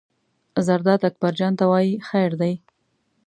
زرداد اکبر جان ته وایي: خیر دی.